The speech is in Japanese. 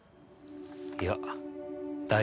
いや大丈夫。